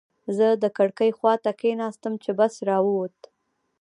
زه د کړکۍ خواته کېناستم چې بس را ووت.